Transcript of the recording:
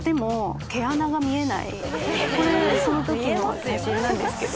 これその時の写真なんですけど。